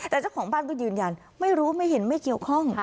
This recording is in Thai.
แต่เจ้าของบ้านก็ยืนยันไม่รู้ไม่เห็นไม่เกี่ยวข้อง